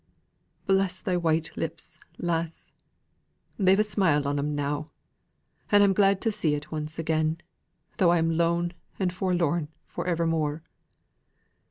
Bless thy white lips, lass, they've a smile on 'em now! and I'm glad to see it once again, though I'm lone and forlorn for evermore."